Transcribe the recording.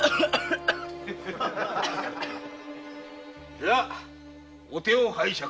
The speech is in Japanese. ではお手を拝借。